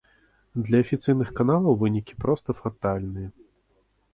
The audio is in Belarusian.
Для афіцыйных каналаў вынікі проста фатальныя.